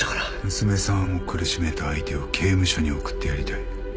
娘さんを苦しめた相手を刑務所に送ってやりたい。